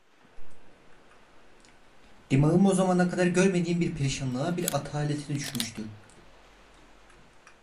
Dimağım o zamana kadar görmediğim bir perişanlığa, bir atalete düşmüştü.